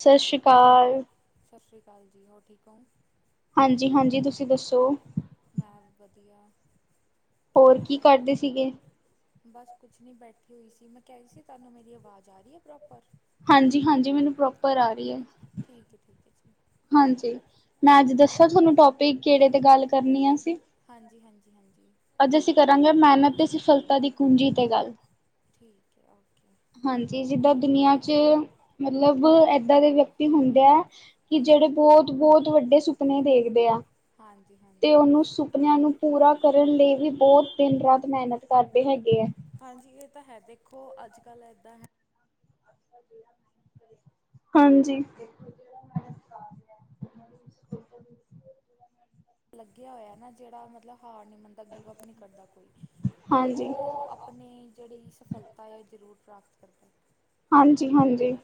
ਸਤਿ ਸ਼੍ਰੀ ਅਕਾਲ, ਸਤਿ ਸ਼੍ਰੀ ਅਕਾਲ ਜੀ ਹੋਰ ਠੀਕ ਹੋ? ਹਾਂਜੀ, ਹਾਂਜੀ ਤੁਸੀਂ ਦੱਸੋ? ਮੈਂ ਵਧੀਆ, ਹੋਰ ਕੀ ਕਰਦੇ ਸੀਗੇ। ਬਸ ਕੁਝ ਨਹੀਂ ਬੈਠੀ ਹੋਈ ਸੀ ਮੈਂ ਕਹਿ ਰਹੀ ਸੀ ਤੁਹਾਨੂੰ ਮੇਰੀ ਆਵਾਜ਼ ਆ ਰਹੀ ਹੈ ਪ੍ਰੋਪਰ ਹਾਂਜੀ ਹਾਂਜੀ ਮੈਨੂੰ ਪ੍ਰੋਪਰ ਆ ਰਹੀ ਹੈ। ਠੀਕ ਹੈ ਠੀਕ ਹੈ ਜੀ, ਹਾਂਜੀ ਮੈਂ ਅੱਜ ਦੱਸਾਂ ਤੁਹਾਨੂੰ ਟੋਪਿਕ ਕਿਹੜੇ ਤੇ ਗੱਲ ਕਰਨੀ ਆ ਅਸੀ। ਹਾਂਜੀ ਹਾਂਜੀ ਹਾਂਜੀ ਅੱਜ ਅਸੀਂ ਕਰਾਂਗੇ ਮਿਹਨਤ ਤੇ ਸਫਲਤਾ ਦੀ ਕੁੰਜੀ ਤੇ ਗੱਲ ਠੀਕ ਹੈ ਓਕੇ, ਹਾਂਜੀ ਜਿੱਦਾਂ ਦੁਨੀਆਂ ਚ ਮਤਲਬ ਏਦਾਂ ਦੇ ਵਿਅਕਤੀ ਹੁੰਦੇ ਹੈ। ਕਿ ਜਿਹੜੇ ਬਹੁਤ ਬਹੁਤ ਵੱਡੇ ਸੁਪਨੇ ਦੇਖਦੇ ਆ। ਤੇ ਉਹਨੂੰ ਸੁਪਨਿਆਂ ਨੂੰ ਪੂਰਾ ਕਰ, ਲਈ ਵੀ ਬਹੁਤ ਦਿਨ ਰਾਤ ਮਿਹਨਤ ਕਰਦੇ ਹੈਗੇ ਆ ਹਾਂਜੀ ਇਹ ਤਾਂ ਹੈ ਦੇਖੋ ਅੱਜ ਕੱਲ੍ਹ ਏਦਾਂ ਹੈ। ਹਾਂਜੀ, ਲੱਗਿਆ ਹੋਇਆ ਨਾ ਜਿਹੜਾ ਮਤਲਬ ਹਾਰ ਨੀ ਮੰਨਦਾ ਗਿਵ ਅਪ ਨਹੀਂ ਕਰਦਾ ਕੋਈ ਤੇ ਉਹ ਆਪਣੀ ਜਿਹੜੀ ਸਫਲਤਾ ਹੈ ਉਹ ਜ਼ਰੂਰ ਪ੍ਰਾਪਤ ਕਰਦਾ ਹਾਂਜੀ ਹਾਂਜੀ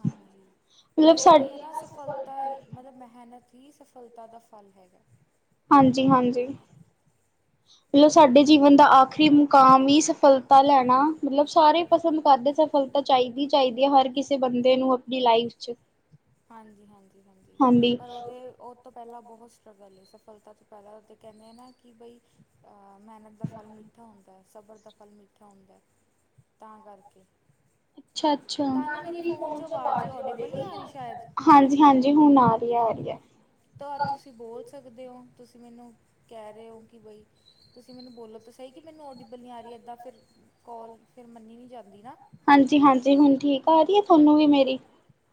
ਹਾਂਜੀ ਅਤੇ ਉਹੀ ਹੈ ਨਾ ਸਫਲਤਾ ਹੀ, ਮਤਲਬ ਮਿਹਨਤ ਹੀ ਸਫਲਤਾ ਦਾ ਫਲ ਹੈਗਾ। ਹਾਂਜੀ ਹਾਂਜੀ ਮਤਲਬ ਸਾਡੇ ਜੀਵਨ ਦਾ ਆਖਰੀ ਮੁਕਾਮ ਹੀ, ਸਫਲਤਾ ਲੈਣਾ ਮਤਲਬ ਸਾਰੇ ਪਸੰਦ ਕਰਦੇ ਸਫਲਤਾ ਚਾਹੀਦੀ-ਚਾਹੀਦੀ ਹੈ ਹਰ ਕਿਸੇ ਬੰਦੇ ਨੂੰ ਆਪਣੀ ਲਾਈਫ ਚ ਹਾਂਜੀ-ਹਾਂਜੀ ਹਾਂਜੀ ਪਰ ਉਹਦੇ ਉਹ ਤੋਂ ਪਹਿਲਾਂ ਬਹੁਤ ਸਟਰਗਲ ਏ ਸਫਲਤਾ ਤੋਂ ਪਹਿਲਾਂ ਤਾਂ ਕਹਿੰਦੇ ਆ ਨਾ ਕਿ ਬਈ ਮਿਹਨਤ ਦਾ ਫਲ ਮਿੱਠਾ ਹੁੰਦਾ ਸਬਰ ਦਾ ਫਲ ਮਿੱਠਾ ਹੁੰਦਾ ਤਾਂ ਕਰਕੇ ਅੱਛਾ ਅੱਛਾ ਹਾਂਜੀ-ਹਾਂਜੀ ਹੁਣ ਆ ਰਹੀ ਹੈ, ਆ ਰਹੀ ਹੈ। ਤਾਂ ਤੁਸੀਂ ਬੋਲ ਸਕਦੇ ਹੋ ਤੁਸੀਂ ਮੈਨੂੰ ਕਹਿ ਰਹੇ ਹੋ ਕਿ ਬਈ ਤੁਸੀਂ ਮੈਨੂੰ ਬੋਲ ਤਾਂ ਸਹੀ ਕਿ ਮੈਨੂੰ ਔਡਿੱਬਲ ਨਹੀਂ ਆ ਰਹੀ ਇੱਦਾਂ ਫਿਰ ਕੋਲ ਫਿਰ ਮੰਨੀ ਨਹੀਂ ਜਾਂਦੀ ਨਾ ਹਾਂਜੀ-ਹਾਂਜੀ ਹੁਣ ਠੀਕ ਆ ਰਹੀ ਹੈ ਤੁਹਾਨੂੰ ਵੀ ਮੇਰੀ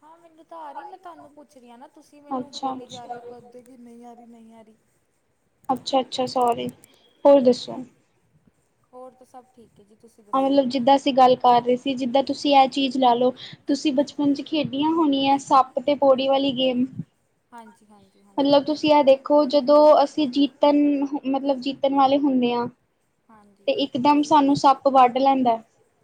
ਹਾਂ ਮੈਨੂੰ ਤਾਂ ਆ ਰਹੀ ਮੈਂ ਤੁਹਾਨੂੰ ਪੁੱਛ ਰਹੀ ਹਾਂ ਨਾ ਤੁਸੀਂ ਮੈਨੂੰ ਬੋਲੀ ਜਾ ਰਹੇ ਹੋ ਕ ਉਤੇ ਕਿ ਨਹੀਂ ਆਰੀ-ਨਹੀਂ ਆਰੀ ਅੱਛਾ-ਅੱਛਾ ਸੋਰੀ ਹੋਰ ਦੱਸੋ ਹੋਰ ਤਾਂ ਸਭ ਠੀਕ ਹੈ ਜੀ ਤੁਸੀਂ ਹਾਂ ਮਤਲਬ ਜਿੱਦਾਂ ਅਸੀਂ ਗੱਲ ਕਰ ਰਹੇ ਸੀ ਜਿੱਦਾਂ ਤੁਸੀਂ ਇਹ ਚੀਜ਼ ਲਾ ਲਓ। ਤੁਸੀਂ ਬਚਪਨ ਚ' ਖੇਡੀਆਂ ਹੋਣੀਆਂ ਸੱਪ ਤੇ ਪੌੜੀ ਵਾਲੀ ਗੇਮ। ਹਾਂਜੀ-ਹਾਂਜੀ। ਮਤਲਬ ਤੁਸੀਂ ਆ ਦੇਖੋ ਜਦੋਂ ਅਸੀਂ ਜੀਤਣ ਮਤਲਬ ਜੀਤਣ ਵਾਲੇ ਹੁੰਦੇ ਹਾਂ। ਤੇ ਇਕਦਮ ਸਾਨੂੰ ਸੱਪ ਵੱਢ ਲੈਂਦਾ।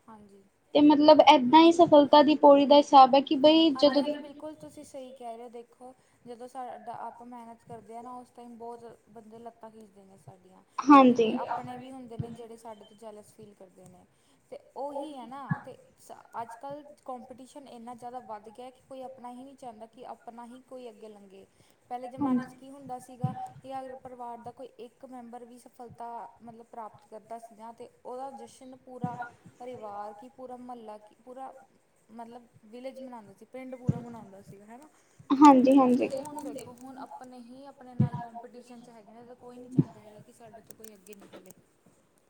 ਹਾਂਜੀ। ਤੇ ਮਤਲਬ ਇਏਦਾਂ ਹੀ ਸਫਲਤਾ ਦੀ ਪੌੜੀ ਦਾ ਹਿਸਾਬ ਹੈ ਕਿ ਬਈ ਜਦੋਂ ਬਿਲਕੁਲ ਤੁਸੀਂ ਸਹੀ ਕਹਿ ਰਹੇ ਹੋ ਦੇਖੋ। ਜਦੋਂ ਸਾਡਾ ਆਪਾਂ ਮਿਹਨਤ ਕਰਦੇ ਹਾਂ ਨਾ ਉਸ ਟਾਈਮ ਬਹੁਤ ਬੰਦੇ ਲੱਤਾਂ ਖਿੱਚਦੇ ਨੇ ਸਾਡੀਆਂ। ਠੀਕ ਹੈ ਆਪਣੇ ਵੀ ਹੁੰਦੇ ਨੇ ਜਿਹੜੇ ਸਾਡੇ ਤੋਂ ਜੈਲਸ ਫੀਲ ਕਰਦੇ ਨੇ। ਅਤੇ ਉਹਹੀ ਹੈ ਨਾ ਅਤੇ ਸ ਅੱਜ ਕੱਲ੍ਹ ਕੋਂਪੀਟੀਸ਼ਨ ਇੰਨਾ ਜ਼ਿਆਦਾ ਵੱਧ ਗਿਆ ਕਿ ਕੋਈ ਆਪਣਾ ਹੀ ਨਹੀਂ ਚਾਹੁੰਦਾ ਕਿ ਆਪਣਾ ਹੀ ਕੋਈ ਅੱਗੇ ਲੰਘੇ। ਪਹਿਲੇ ਜ਼ਮਾਨੇ ਚ' ਕੀ ਹੁੰਦਾ ਸੀਗਾ। ਕਿ ਅਗਰ ਪਰਿਵਾਰ ਦਾ ਕੋਈ ਇੱਕ ਮੈਂਬਰ ਵੀ ਸਫਲਤਾ ਮਤਲਬ ਪ੍ਰਾਪਤ ਕਰਦਾ ਸੀਗਾ ਅਤੇ ਉਹਦਾ ਜਸ਼ਨ ਪੂਰਾ ਪਰਿਵਾਰ ਕਿ, ਪੂਰਾ ਮਹੱਲਾ, ਕਿ ਪੂਰਾ ਮਤਲਬ ਵਿਲੇਜ ਮਨਾਉਂਦੇ ਸੀ ਪਿੰਡ ਪੂਰਾ ਮਨਾਉਂਦਾ ਸੀ ਹੈ ਨਾ। ਤੇ ਹੁਣ ਦੇਖੋ ਹੁਣ ਆਪਣੇ ਹੀ ਆਪਣੇ ਨਾਲ ਕੋਪੀਟੀਸ਼ਨ ਚ' ਹੈਗੇ ਨੇ ਤਾਂ ਕੋਈ ਨਹੀਂ ਚਾਹੁੰਦਾ ਹੈਗਾ ਕਿ ਸਾਡੇ ਤੋਂ ਕੋਈ ਅੱਗੇ ਨਿਕਲੇ।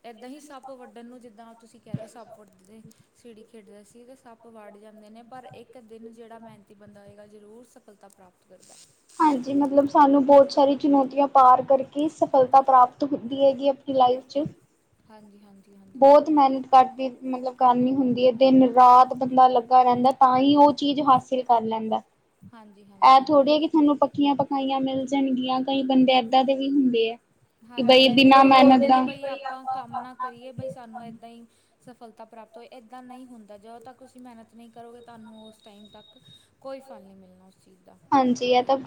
ਇੱਦਾਂ ਹੀ ਸੱਪ ਵੱਢਣ ਨੂੰ ਜਿੱਦਾਂ ਤੁਸੀਂ ਕਹਿ ਰਹੇ ਹੋ ਸੱਪ ਵੱਡਦੇ ਸੀੜੀ ਖੇਡਦੇ ਸੀ ਤਾਂ ਸੱਪ ਵੜ ਜਾਂਦੇ ਨੇ। ਪਰ ਇੱਕ ਦਿਨ ਜਿਹੜਾ ਮਿਹਨਤੀ ਬੰਦਾ ਹੋਏਗਾ ਜ਼ਰੂਰ ਸਫਲਤਾ ਪ੍ਰਾਪਤ ਕਰਦਾ। ਹਾਂਜੀ। ਮਤਲਬ ਸਾਨੂੰ ਬਹੁਤ ਸਾਰੀ ਚੁਣੌਤੀਆਂ ਪਾਰ ਕਰਕੇ ਸਫਲਤਾ ਪ੍ਰਾਪਤ ਹੁੰਦੀ ਹੈਗੀ। ਲਾਈਫ ਚ' ਹਾਂਜੀ-ਹਾਂਜੀ। ਬਹੁਤ ਮਿਹਨਤ ਘਦੀ ਮਤਲਬ ਕਰਨੀ ਹੁੰਦੀ ਹੈ ਦਿਨ -ਰਾਤ ਬੰਦਾ ਲੱਗਾ ਰਹਿੰਦਾ ਤਾਂ ਹੀ ਉਹ ਚੀਜ਼ ਹਾਸਿਲ ਕਰ ਲੈਂਦਾ। ਇਹ ਥੋੜ੍ਹੀਆਂ ਕਿ ਤੁਹਾਨੂੰ ਪੱਕੀਆਂ- ਪਕਾਈਆਂ ਮਿਲ ਜਾਣਗੀਆਂ, ਕਈ ਬੰਦੇ ਏਦਾਂ ਦੇ ਵੀ ਹੁੰਦੇ ਹੈ। ਹਾਂਜੀ-ਹਾਂਜੀ। ਕੋਈ ਸੋਚਦੇ ਨੇ ਕਿ ਬਈ ਆਪਾਂ ਕੰਮ ਨਾ ਕਰੀਏ ਬਈ ਸਾਨੂੰ ਏਦਾਂ ਹੀ ਸਫਲਤਾ ਪ੍ਰਾਪਤ ਹੋਵੇ ਇੱਦਾਂ ਨਹੀਂ ਹੁੰਦਾ ਜਦੋਂ ਤੱਕ ਤੁਸੀਂ ਮਿਹਨਤ ਨਹੀਂ ਕਰੋਗੇ ਤੁਹਾਨੂੰ ਉਸ ਟਾਈਮ ਤੱਕ ਕੋਈ ਫਲ ਨਹੀਂ ਮਿਲਣਾ ਉਸ ਚੀਜ਼ ਦਾ,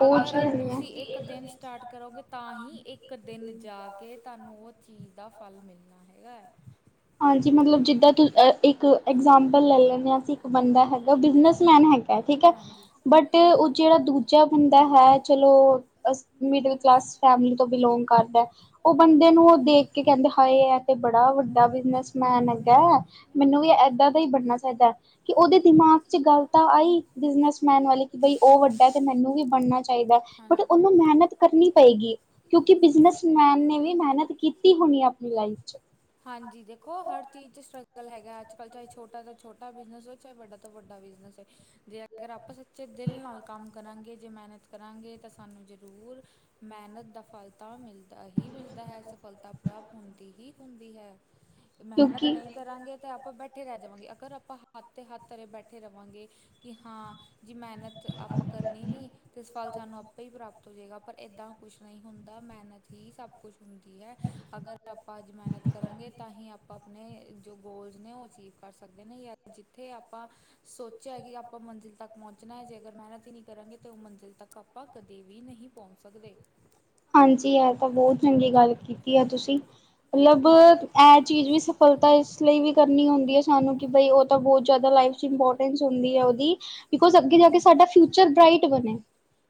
ਅਗਰ ਤੁਸੀਂ ਇੱਕ ਦਿਨ ਸਟਾਰਟ ਕਰੋਗੇ ਤਾਂ ਹੀ ਇੱਕ ਦਿਨ ਜਾ ਕੇ ਤੁਹਾਨੂੰ ਉਹ ਚੀਜ਼ ਦਾ ਫਲ ਮਿਲਣਾ ਹੈਗਾ ਹੈ। ਹਾਂਜੀ। ਮਤਲਬ ਜਿੱਦਾਂ ਤੁ ਇੱਕ ਇਗਜਾਮਪਲ ਲੈ ਲੈਂਦੇ ਹਾਂ ਅਸੀਂ ਇੱਕ ਬੰਦਾ ਹੈਗਾ ਬਿਜਨਸਮੈਨ ਹੈਗਾ ਠੀਕ ਹੈ। ਬਟ ਉਹ ਜਿਹੜਾ ਦੂਜਾ ਬੰਦਾ ਹੈ ਚਲੋ ਅ ਮਿਡਲ ਕਲਾਸ ਫੈਮਲੀ ਤੋਂ ਬਿਲੋਂਗ ਕਰਦਾ। ਉ ਬੰਦੇ ਨੂੰ ਉਹ ਦੇਖ ਕੇ ਕਹਿੰਦੇ ਹਾਏ ਐ ਤੇ ਬੜਾ ਵੱਡਾ ਵੇ। ਬਸ ਮੈਣ ਹੈਗਾ। ਮੈਨੂੰ ਵੀ ਏਦਾਂ ਦਾ ਈ ਬਣਨਾ ਚਾਈਦਾ। ਕਿ ਉਦੇ ਦਿਮਾਗ ਚ' ਗੱਲ ਤਾਂ ਆਈ ਬਿਸਨਸਮੈਨ ਵਾਲੇ ਕਿ ਬਈ ਓ ਵੱਡਾ ਤੇ ਮੈਨੂੰ ਵੀ ਬਣਨਾ ਚਾਈਦਾ ਬਟ ਉਹਨੂੰ ਮਹਨਤ ਕਰਨੀ ਪਏਗੀ। ਕਿਉਂਕਿ ਬਿਜਨਸਮੈਨ ਨੇ ਵੀ ਮਹਨਤ ਕੀਤੀ ਹੋਣੀ ਆਪਣੀ ਲਾਈਫ ਚ' ਹਾਂਜੀ। ਦੇਖੋ ਹਰ ਚੀਜ਼ ਚ' ਸਟਰਗਲ ਹੈਗਾ ਅੱਜ ਕੱਲ੍ਹ ਚਾਏ ਛੋਟਾ ਤੋ ਛੋਟਾ ਬਿਜਨਸ ਹੋ ਵੱਡਾ ਤੋਂ ਵੱਡਾ ਬਿਜਨਸ ਏ, ਜੇ ਅਗਰ ਆਪਾਂ ਸੱਚੇ ਦਿਲ ਨਾਲ ਕੰਮ ਕਰਾਂਗੇ ਜੇ ਮਹਨਤ ਕਰਾਂਗੇ ਤਾਂ ਸਾਨੂੰ ਜ਼ਰੂਰ, ਮਿਹਨਤ ਦਾ ਫਲ ਤਾਂ ਮਿਲਦਾ ਦਾਮਿਲਦਾ ਹੀ ਮਿਲਦਾ ਹੈ ਸਫਲਤਾ ਪ੍ਰਾਪਤ ਹੁੰਦੀ ਹੀ ਹੁੰਦੀ ਹੈ। ਮਹਨਤ ਨਈ ਕਰਾਂਗੇ ਤੇ ਆਪਾਂ ਬੈਠੇ ਬੈਠੇ ਰੇ ਜਾਵਾਂਗੇ, ਅਗਰ ਆਪਾਂ ਹੱਥ ਤੇ ਹੱਥ ਤਰੇ ਬੈਠੇ ਰਵਾਂਗੇ, ਕਿ ਹਾਂ ਜੀ ਮਹਨਤ ਆਪਾਂ ਕਰਨੀ ਨੀਂ ਤਾਂ ਫਲ ਸਾਨੂੰ ਆਪੇ ਈ ਪ੍ਰਾਪਤ ਹੋ ਜੈਗਾ, ਪਰ ਇੱਦਾਂ ਕੁਛ ਨੀਂ ਹੁੰਦਾ ਹੁੰਦਾ, ਮਹਨਤ ਹੀ ਸਭ ਕੁਛ ਹੁੰਦੀ ਐ ਅਗਰ ਆਪਾਂ ਮਹਨਤ ਕਰਾਂਗੇ ਤਾਂ ਹੀ ਆਪਾਂ ਆਪਣੇ ਜੋ ਗੋਲਜ਼ ਨੇ, ਓ ਅਚੀਵ ਕਰ ਸਕਦੇ ਨੇ, ਯਾ ਜਿੱਥੇ ਅਪਾਂ ਸੋਚਿਆ ਕਿ ਆਪਾਂ ਮੰਜ਼ਿਲ ਤੱਕ ਪੋਹੰਚਣਾ, ਜੇ ਅਗਰ ਮਹਨਤ ਹੀ ਨੀਂ ਕਰਾਂਗੇ ਤਾਂ ਉ ਮੰਜ਼ਿਲ ਤੱਕ ਆਪ ਆਪਾਂ ਕਦੇ ਵੀ ਨਹੀਂ ਪੋਹੰਚ ਸਕਦੇ। ਹਾਂਜੀ, ਐ ਤਾਂ ਬੋਹਤ ਚੰਗੀ ਗੱਲ ਕੀਤੀ ਆ ਤੁਸੀਂ। ਮਤਲਬ, ਐ ਚੀਜ਼ ਵੀ ਸਫਲਤਾ ਇਸ ਲਈ ਵੀ ਕਰਨੀ ਹੁੰਦੀ ਏ ਸਾਨੂੰ ਕਿ ਬਈ ਉਹ ਤਾਂ ਬ ਜ਼ਾੱਦਾ ਲਾਈਫ 'ਚ ਇੰਪੋਰਟੈਂਸ ਹੁੰਦੀ ਏ ਉਹਦੀ, ਬਿਕੋਜ ਅੱਗੇ ਜਾ ਕੇ ਸਾਡਾ ਫਿਊਚਰ ਬ੍ਰਾਈਟ ਬਣੇ।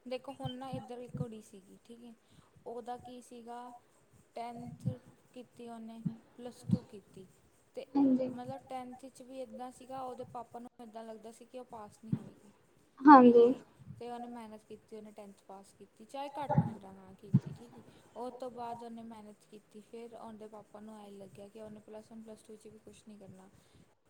ਦੇਖੋ ਹੁਣ ਨਾ ਇੱਧਰ ਇੱਕ ਕੁੜੀ ਸੀਗੀ, ਠੀਕ ਏ। ਉਹਦਾ ਕੀ ਸੀਗਾ ਟੈਨਥ ਕੀਤੀ ਉਹਨੇ, ਪਲੱਸ ਟੂ ਕੀਤੀ ਤੇ ਮਤਲਬ ਟੈਂਨਥ 'ਚ ਵੀ ਇੱਦਾਂ ਸੀਗਾ, ਉਹਦੇ ਪਾਪਾ ਨੂੰ ਇੱਦਾਂ ਲੱਗਦਾ ਸੀ ਕਿ ਉਹ ਪਾਸ ਨੀ ਹੋਏਗੀ। ਠੀਕ ਏ, ਤੇ ਉਹਨੇ ਮਹਨਤ ਕੀਤੀ, ਉਹਨੇ ਟੈਨਥ ਪਾਸ ਕੀਤੀ। ਚਾਹੇ ਘੱਟ ਨੰਬਰਾਂ ਨਾਂ ਕੀਤੀ, ਠੀਕ ਏ। ਤੋਂ ਬਾੱਦ ਉਹਨੇ ਮਹਨਤ ਕੀਤੀ, ਫੇਰ ਉਹਦੇ ਪਾਪਾ ਨੂੰ ਐਂ ਲੱਗਿਆ ਕਿ ਉਹਨੇ ਪਲੱਸ ਵਨ, ਪਲੱਸ ਟੂ 'ਚ ਵੀ ਕੁਛ ਨੀਂ ਕਰਨਾ,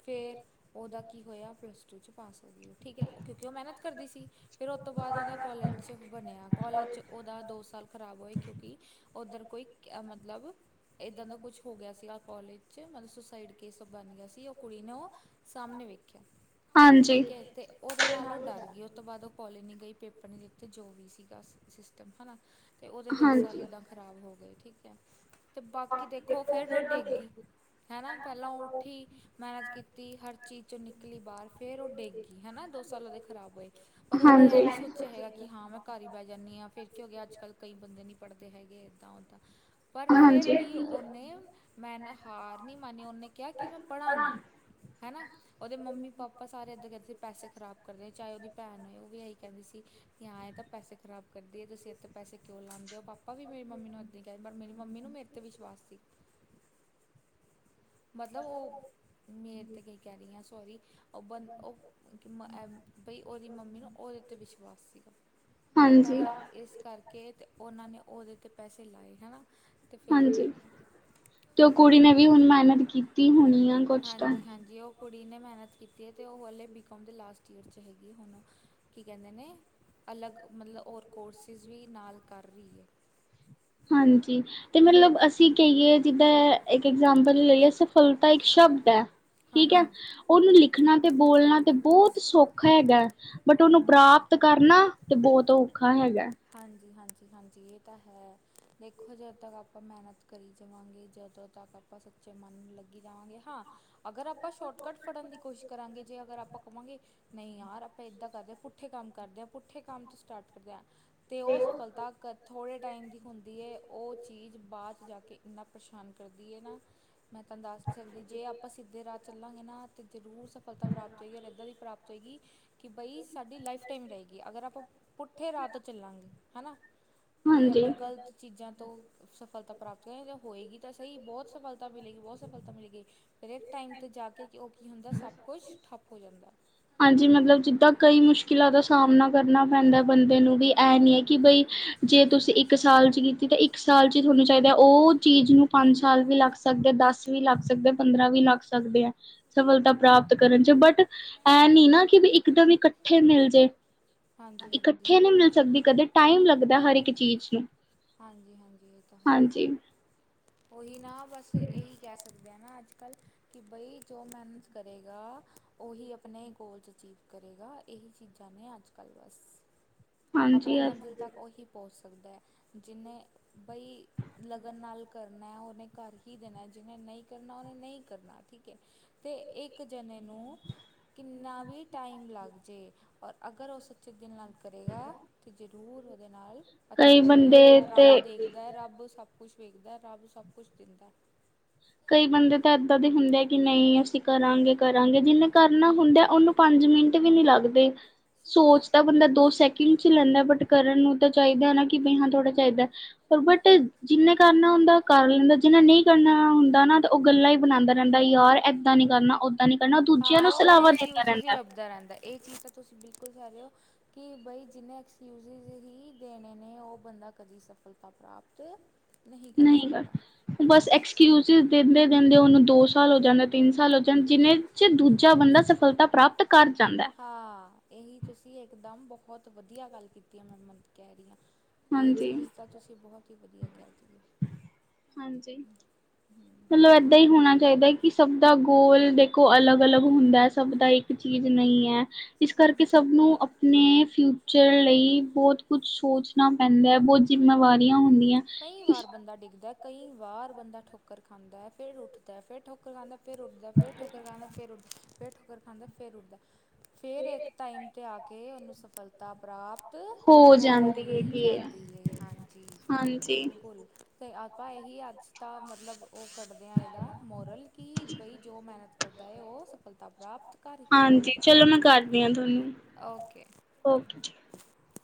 ਫੇਰ ਉਹਦਾ ਕੀ ਹੋਇਆ ਪਲੱਸ ਟੂ 'ਚ ਪਾਸ ਹੋ ਗਈ ੳਹ ਠੀਕ ਏ, ਕਿਉਂਕਿ ਉਹ ਮੇੈਹਨਤ ਕਰਦੀ ਸੀ। ਫਿਰ ਅੋ ਤੋਂ ਬਾੱਦ ਉਹਦਾ ਕੋਲਜ 'ਚ ਬਣਿਆ, ਕੋਲਜ 'ਚ ਉਹਦਾ ਦੋ ਸਾਲ ਖ਼ਰਾਬ ਹੋਏ, ਕਉਂਕਿ ਓੱਧਰ ਕੋਈ ਮਤਲਬ ਇੱਦਾਂ ਦਾ ਕੁਛ ਹੋ ਗਿਆ ਸੀਗਾ ਕੋਲਜ 'ਚ, ਮਤਲਬ ਸੁਸਾਈਡ ਕੇਸ ਬਣ ਗਿਆ ਸੀ ਉਹ ਕੁੜੀ ਨੂੰ ਸਾਹਮਣੇ ਵੇਖਿਆ ਠੀਕ ਏ, ਤੇ ਉਹਦੇ ਨਾਲ ਉਹ ਡਰ ਗਈ, ਉ ਤੋਂ ਬਾੱਦ ਉਹ ਕੋਲੇਜ ਨੀਂ ਗਈ ਪੇਪਰ ਆਪਣੇ ਇਥੇ ਜੋ ਵੀ ਸੀਗਾ ਸਿਸਟਮ ਹਨਾ, ਤੇ ਉਹਦੇ ਦੋ ਸਾਲ ਇਦਾ ਖ਼ਰਾਬ ਹੋ ਗੇ, ਠੀਕ ਏ। ਤੇ ਬਾਕੀ ਦੇਖੋ ਫੇਰ ਉਹ ਡੇਗੀ ਹੈ ਨਾ ਪਹਿਲਾਂ ਉਹ ਉੱਠੀ, ਮਿਹਨਤ ਕੀਤੀ, ਹਰ ਚੀਜ਼ ਚੌ ਨਿਕਲੀ ਬਾਹਰ, ਫਿਰ ਉਹ ਡੈੱਗੀ। ਹਨਾ ਦੋ ਸਾਲ ਉਹਦੇ ਖਰਾਬ ਹੋਏ, ਪਰ ਉਹਨੇ ਇਹਂ ਨੀਂ ਸੋਚਿਆ ਹੈਗਾ ਕਿ ਹਾਂ ਮੈਂ ਕੱਰ ਹੀ ਬਹਿ ਜਾਂਨੀ ਆ, ਫੇਰ ਕੀ ਹੋ ਗਿਆ ਅੱਜ ਕੱਲ੍ਹ ਕਈ ਬੰਦੇ ਨੀ ਪੜ੍ਹਦੇ ਹੈਗੇ, ਏਦਾਂ ਓਦਾਂ ਪਰ ਫੇਰ ਵੀ ਉਹਨੇ ਮੈਨ ਹਾਰ ਨੀਂ ਮੰਨੀ, ਉਹਨੇ ਕਿਹਾ ਕਿ ਮੈਂ ਪੜਾਂਗੀ। ਹਨਾ, ਉਹਦੇ ਮੰਮੀ ਪਾਪਾ ਸਾਰੇ ਏਦਾਂ ਕੱਹਿੰਦੇ ਪੈਸੇ ਖ਼ਰਾਬ ਕਰਨੇ, ਚਾਹੇ ਉਹਦੀ ਭੈਣ ਹੋਏ ਉਹ ਵੀ ਇਹੀ ਕਹਿੰਦੀ ਸੀ। ਏ ਤਾਂ ਪੈਸੇ ਖਰਾਬ ਕਰਦੀਏ, ਤੁਸੀਂ ਇੱਤੇ ਪੈਸੇ ਕਿਉਂ ਲਾਂਦੇ ਓ? ਪਾਪਾ ਵੀ ਮੇਰੀ ਮੰਮੀ ਨੂੰ ਅੱ ਪਰ ਮੇਰੀ ਮੰਮੀ ਨੂੰ ਮੇਰੇ 'ਤੇ ਵਿਸ਼ਵਾਸ ਸੀ। ਮਤਲਬ ਉਹ ਮੇਰੇ ਤੇ ਕੀ ਕੈਰੀ ਹ ਸੋਰੀ, ਉਹ ਬੰ ਉਹ ਮ ਬਈ ਉਹਦੀ ਮੰਮੀ ਨੂੰ ਉਹਦੇ ਤੇਤ ਵਿਸ਼ਵਾਸ ਸੀ, ਤਾਂ ਇਸ ਕਰਕੇ ਤੇ ਉਹਨਾਂ ਨੇ ਉਹਦੇ 'ਤੇ ਪੈਸੇ ਲਾਏ, ਹਨਾ। ਹਾਂਜੀ, ਤੇ ਓ ਕੁੜੀ ਨੇ ਵੀ ਹੁਣ ਮਿਹਨਤ ਕੀਤੀ ਹੋਣੀ ਆ? ਹਾਂਜੀ, ਹਾਂਜੀ ਓ ਕੁੜੀ ਨੇ ਮਿਹਨਤ ਕੀਤੀ ਏ, ਤੇ ਉਹ ਹਲੇ ਬੀਕੋਮ ਦੇ ਲਾਸਟ ਈਅਰ 'ਚ ਹੈਗੀ ਹੁਣ ਕੀ ਕਹਿੰਦੇ ਨੇ, ਅਲੱਗ ਮਤਲਬ ਹੋਰ ਕੋਰਸਿਸ ਵੀ ਨਾਲ ਕਰ ਰਹੀ ਏ। ਹਾਂਜੀ ਤੇ ਮਤਲਬ ਅਸੀਂ ਕਹੀਏ, ਜਿੱਦਾਂ ਇੱਕ ਇਗਜਾਮਪਲ ਲਈਏ। ਸਫਲਤਾ ਇੱਕ ਸ਼ਬਦ ਏ ਠੀਕ ਐ, ਉਨੂੰ ਲਿਖਣਾ ਤੇ ਬੋਲਣਾ ਤੇ ਬੋਤ ਸੌਖਾ ਹੈਗਾ, ਬਟ ਉਨੂੰ ਪ੍ਰਾਪ ਤੇ ਕਰਨਾ, ਤੇ ਬੋਤ ਔਖਾ ਹੈਗਾ। ਹਾਂਜੀ-ਹਾਂਜੀ-ਹਾਂਜੀ ਏ ਤਾਂ ਹੈ, ਦੇਖੋ ਜਦ ਤੱਕ ਆਪਾਂ ਮੈਨਤ ਕਰੀ ਜਾਵਾਂਗੇ ਜਦੋਂ ਤੱਕ ਆਪਾਂ ਸੱਚੇ ਮਨ ਲੱਗੀ ਜਾਵਾਂਗੇ, ਹਾਂ ਅਗਰ ਆਪਾਂ ਸ਼ੋਟਕੱਟ ਫੜਨ ਦੀ ਕੋਸ਼ਿ ਕਰਾਂਗੇ, ਜੇ ਅਗਰ ਆਪਾਂ ਕਵਾਂਗੇ, ਨਈ ਯਾਰ ਆਪਾਂ ਏਦਾਂ ਕਰਦੇ ਆਂ, ਪੁੱਠੇ ਕੰਮ ਕਰਦੇ ਆਂਂ, ਪੁੱਠੇ ਕੰਮ ਸਟਾਟ ਕਰਦੇ ਆ, ਤੇ ਓ ਸਫਲਤਾ ਥੋੜ੍ਹੇ, ਟਾਈਮ ਦੀ ਹੁੰਦੀ ਏ, ਓ ਚੀਜ, ਬਾਦ ਜਾ ਕੇ ਇੰਨਾ ਪਰੇਸ਼ਾਨ ਕਰਦੀ ਏ ਨਾ ਮੈਂ ਤਾਨੂੰ ਦੱਸ ਨੀ ਸਕਦੀ ਜੇ ਆਪਾਂ ਸਿੱਧੇ ਰਾਅ ਚੱਲਾਂਗੇ ਨਾ, ਤੇ ਜਰੂਰ ਸਫਲਤਾ ਪ੍ਰਾਪਤ ਹੋਏਗੀ, ਔਰ ਏਦਾਂ ਦੀ ਪ੍ਰਾਪਤ ਹੋਏਗੀ, ਕਿ ਬਈ, ਸਾਡੀ ਲਾਈਫ ਟਾਈਮ ਰਏਗੀ, ਅਗਰ ਆਪਾਂ, ਪੁੱਠੇ ਰਾਅ ਤੇ ਚੱਲਾਂਗੇ, ਹੈਨਾ, ਕਿ, ਆਪਾਂ ਗਲਤ ਚੀਜਾਂ ਤੋਂ ਸਫਲਤਾ ਪ੍ਰਾਪਤ ਹੋਏਗਾ, ਹੋਏਗੀ ਤਾਂ ਸਈ ਬੋਤ ਸਫਲਤਾ ਮਿਲੇਗੀ, ਬੋਤ ਸਫਲਤਾ ਮਿਲੇਗੀ। ਫਿਰ ਏੱਕ ਟਾਈਮ 'ਤੇ, ਜਾ ਕੇ ਉਹ ਕਿ ਹੁੰਦਾ, ਸਭ ਕੁਛ, ਠੱਪ ਹੋ ਜਾਂਦਾ। ਹਾਂਜੀ ਮਤਲਬ, ਜਿੱਦਾਂ ਕਈ ਮੁਸ਼ਕਿਲਾਂ ਦਾ ਸਾਮਣਾ ਕਰਨਾ ਪੈਂਦਾ ਬੰਦੇ ਨੂੰ ਵੀ। ਐ ਨੀ ਐ, ਕਿ ਬਈ, ਜੇ ਤੁਸੀਂ ਇੱਕ ਸਾਲ 'ਚ ਕੀਤੀ ਤੇ ਇੱਕ ਸਾਲ 'ਚ ਈ ਥੋਨੂੰ ਚਾਈਦਾ ਓ ਚੀਜ ਨੂੰ। ਪੰਜ ਸਾਲ ਵੀ ਲੱਗ ਸਕਦੇ, ਦਸ ਵੀ ਲੱਗ ਸਕਦੇ, ਪੰਦਰਾਂ ਵੀ ਲੱਗ ਸਕਦੇ ਐ। ਸਫਲਤਾ ਪ੍ਰਾਪਤ ਕਰਨ ਚ ਬਟ, ਐ ਨੀ ਨਾਂ। ਕਿ ਵੀ ਇਕਦਮ ਇਕੱਠੇ ਮਿਲ ਜੇ, ਇਕੱਠੇ ਨੀ ਮਿਲਦੇ। ਸਕਦੀ, ਕਦੇ ਟਾਈਮ ਲੱਗਦਾ, ਹਰ ਇੱਕ ਚੀਜ ਨੂੰ। ਹਾਂਜੀ-ਹਾਂਜੀ ਏ ਤਾਂ ਹੈ। ਓਹੀ ਨਾ, ਬਸ, ਏਹੀ ਕੈ ਸਕਦੇ ਆਂ, ਨਾ ਅੱਜ ਕੱਲ ਕਿ ਬਈ, ਜੋ ਮੈਨਤ ਕਰੇਗਾ, ੳਹੀ ਅਪਣੇ ਗੋਲ 'ਚ ਅਚੀਵ ਕਰੇਗਾ। ਏਹੀ ਚੀਜ਼ਾਂ ਨੇ, ਅੱਜ ਕੱਲ ਬਸ। ਅਪਨੀ ਮੰਜ਼ਿਲ ਤੱਕ, ਉਹੀ ਪਹੁੰਚ ਸਕਦੈ, ਜਿਨੇ ਬਈ ਲਗਨ ਨਾਲ ਕਰ ਨੈ, ੳਨੇ ਕਰ ਹੀ ਦੇਣਾ, ਜਿਨੇ ਨਈ ਕਰਨਾ ੳਨੇ ਨਈ, ਕਰਨਾ ਠੀਕ ਐ। ਤੇ, ਇਕ ਜਨੇ ਨੂੰ ਕਿੰਨਾ ਵੀ, ਟਾਈਮ ਲੱਗ ਜੇ, ਔਰ, ਅਗਰ ੳ, ਸੱਚੇ ਦਿਲ ਨਾਲ ਕਰੇਗਾ ਅਤੇ, ਜ਼ਰੂਰ ੳਦੇ ਨਾਲ, ਅੱਛਾ ਹੀ ਹੋਏਗਾ, ਰੱਬ ਦੇਖ ਦੈ ਰੱਬ ਸਭ ਕੁਛ ਵੇਖਦੈ, ਔਰ ਰੱਬ ਸਭ ਕੁਛ ਦਿੰਦਾ। ਕਈ ਬੰਦੇ ਤਾਂ, ਏਦਾਂ ਦੇ ਹੁੰਦੇ ਆ, ਕਿ ਨਈ ਅਸੀਂ ਕਰਾਂਗੇ- ਕਰਾਂਗੇ, ਜਿਨੇ ਕਰਨਾ ਹੁੰਦਾ ੳਨੂੰ ਪੰਜ, ਮਿੰਟ ਵੀ, ਨੀ ਲੱਗਦੇ। ਸੋਚ ਤਾਂ, ਬੰਦਾ ਦੋ ਸੈਕਿੰਡ ਚ ਲੈਂਦਾ, ਬਟ ਕਰਨ ਨੂੰ ਤਾਂ ਚਾਈਦਾ, ਨਾ ਕਿ ਬਿ ਹਾਂ ਥੋੜ੍ਹਾ ਇਹਦਾ। ਬਟ, ਜਿੰਨੇ ਕਰਨਾ ਹੁੰਦਾ, ਕਰ ਲੈਂਦਾ, ਜਿੰਨੇ ਨਈ ਕਰਨਾ ਹੁੰ ਦਾ ਨਾ ਤੇ, ੳ ਗੱਲਾਂ ਈ ਬਣਾਂਦਾ, ਰੇਂਦਾ ਯਾਰ ਏਦਾਂ ਨੀ ਕਰਨਾ ਉਦ ਦਾ ਨੀ ਕਰਨਾ ਤੂੰ ਹਾਂ, ਔ, ਅਪਣੇ, ਐਕਸਕਿਊਜਿਸ ਈ ਲੱਭਦਾ, ਰੇਂਦਾ ਏ ਚੀਜ਼, ਤਾਂ ਤੁਸੀਂ ਬਿਲਕੁਲ ਕੈ ਰਏ ੳ। ਕਿ ਬਈ, ਜਿੰਨੇ ਐਕਸਕਿਊਜਿਸ ਹੀ ਦੇਣੇ ਨੇ, ੳ ਬੰਦਾ ਕਦੀ ਸਫਲਤਾ ਪ੍ਰਾਪਤ ਨਹੀਂ, ਕਰ ਸਕਦਾ। ਬਸ, ਐਕਸਕਿਊਜਿਸ ਦੇਂਦੇ- ਦੇਂਦੇ, ੳਨੂੰ ਦੋ ਸਾਲ ਹੋ ਜਣ ਤਿੰਨ ਸਾਲ ਹੋ ਜਣ ਜਿੰਨੇ ਚ, ਦੂਜਾ ਬੰਦਾ, ਸਫਲਤਾ ਪ੍ਰਾਪਤ ਕਰ ਜਾਂਦੈ। ਆ ਏਹੀ, ਤੁਸੀਂ ਇੱਕਦਮ ਬਹੁਤ ਵਧੀਆ ਗੱਲ ਕੀਤੀ, ਆ ਮੈਂ ਮੈਮ ਕੈ ਰੀ ਆਂ। ਏ ਚੀਜ ਤਾਂ, ਤੁਸੀ ਬਹੁਤ ਹੀ ਵਧੀਆ ਕਹਿ ਤੀ ਆ। ਹਾਂਜੀ। ਮਤਲਬ, ਏਦਾਂ ਈ ਹੋਣਾ ਚਾਈਦਾ, ਕਿ ਸਭ ਦਾ ਗੋਲ ਦੇਖੋ ਅਲਗ- ਅਲਗ ਹੁੰਦਾ, ਸਭ ਦਾ ਇੱਕ ਚੀਜ ਨਈ ਐ, ਇਸ ਕਰਕੇ ਸਭ ਨੂੰ ਅਪ ਨੇ ਫਿਊਚਰ ਲਈ, ਬੋਤ ਕੁਛ, ਸੋਚਣਾ ਪੈਂਦਾ ਬੋਤ ਜ਼ਿੰਮੇਵਾਰੀਆਂ ਹੁੰਦੀਆਂ। ਕਈ ਵਾਰ, ਬੰਦਾ ਡਿੱਗਦਾ, ਕਈ ਵਾਰ ਬੰਦਾ ਠੋਕਰ ਖਾਂਦਾ, ਫਿਰ ਉੱਠਦਾ ਫਿਰ ਠੋਕਰ ਖਾਂਦਾ ਫਿਰ ਉੱਠਦਾ, ਫਿਰ ਠੋਕਰ ਖਾਂਦਾ, ਫਿਰ ਉੱਠਦਾ, ਫਿਰ ਠੋਕਰ ਖਾਂਦਾ, ਫਿਰ ਉੱਠਦਾ ਫੇਰ, ਇੱਕ ਟਾਈਮ 'ਤੇ ਆ ਕੇ, ੳਨੂੰ ਸਫਲਤਾ ਪ੍ਰਾਪ ਤ, ਹੋ ਹੀ, ਜਾਂਦੀ ਏ, ਹਾਂਜੀ। ਤੇ ਆਪਾਂ ਏਂਹੀ, ਅੱਜ ਤਾਂ ਮਤਲਬ ਉਹ ਕੱਡਦੇ ਆਂ ਇਦਾ ਮੋਰਲ ਕਿ ਬਈ ਜੋ ਮਿਹਨਤ ਕਰਦਾ ਏ ਉਹ ਸਫ਼ਲਤਾ ਪ੍ਰਾਪਤ ਹਾਂਜੀ ਚਲੋ, ਮੈਂ ਕਰਦੀ ਆ ਤੁਹਾਨੂੰ। ਓਕੇ। ਓਕੇ ਜੀ।